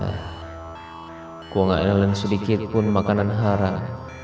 aku ga ingatin sedikitpun makanan haram